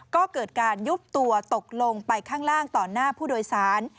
ก็เกิดการยุบตัวตกลงไปข้างล่างต่อหน้าผู้โดยสาร